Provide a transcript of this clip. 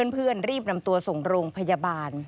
เพื่อนรีบนำตัวส่งโรงพยาบาล